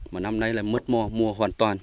mà năm nay là mất mùa mùa hoàn toàn